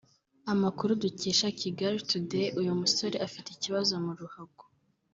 Amakuru dukesha Kigali today Uyu musore afite ikibazo mu ruhago